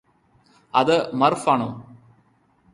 അത് മര്ഫ് ആണോ